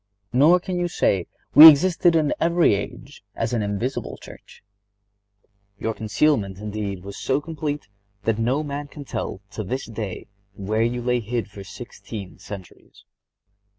Nor can you say: "We existed in every age as an invisible church." Your concealment, indeed, was so complete that no man can tell, to this day, where you lay hid for sixteen centuries.